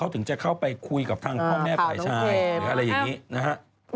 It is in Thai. เขาถึงจะเข้าไปคุยกับทางพ่อแม่ผ่ายชายอะไรอย่างนี้นะครับ